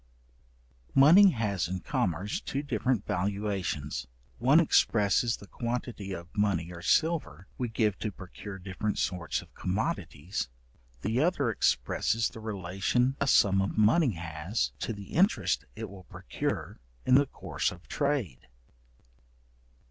Money has in commerce two different valuations. One expresses the quantity of money or silver we give to procure different sorts of commodities; the other expresses the relation a sum of money has, to the interest it will procure in the course of trade.